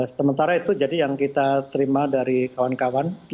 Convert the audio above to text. sementara itu jadi yang kita terima dari kawan kawan